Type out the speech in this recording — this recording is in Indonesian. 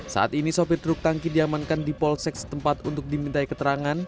saat ini sopir truk tangki diamankan di polsek setempat untuk dimintai keterangan